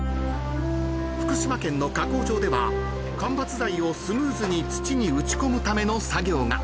［福島県の加工場では間伐材をスムーズに土に打ち込むための作業が］